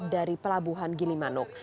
dari pelabuhan ginimanuk